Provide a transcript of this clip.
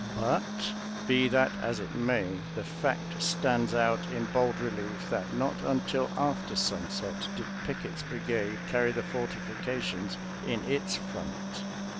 But be that as it may, the fact stands out in bold relief that not until after sunset did Pick ett's brigade carry the fortiflcations in its front.